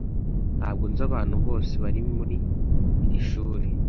Ntabwo nzi abantu bose bari muri iri shuri.